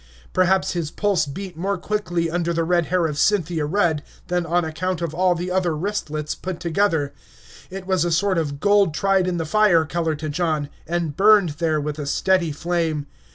Perhaps his pulse beat more quickly under the red hair of Cynthia Rudd than on account of all the other wristlets put together; it was a sort of gold tried in the fire color to John, and burned there with a steady flame.